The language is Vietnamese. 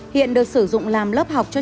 hiện được sử dụng làm lớp học cho trường